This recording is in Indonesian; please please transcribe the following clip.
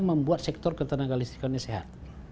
membuat sektor ketenangan listrik sehat